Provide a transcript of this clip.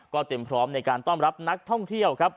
ก็เต็มพร้อมในการต้อนรับนักท่องเที่ยว